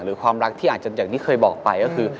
ความรักที่อาจจะอย่างที่เคยบอกไปก็คือ